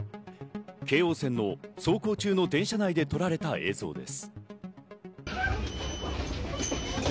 京王線、走行中の電車内で撮られた映像です。